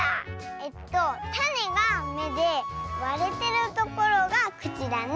えっとたねが「め」でわれてるところがくちだね。